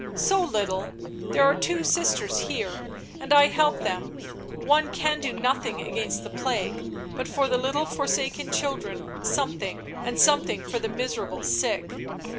" So little — there are two sisters here, and I help them; one can do nothing against the plague, but for the little forsaken children something, and something for the miserable sick."